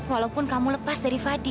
walaupun kamu lepas dari fadi